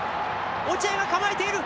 落合が構えている。